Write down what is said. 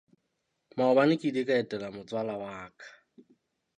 Maobane ke ile ka etela motswala wa ka.